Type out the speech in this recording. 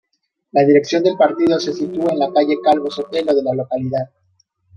La dirección del partido se sitúa en la Calle Calvo Sotelo de la localidad.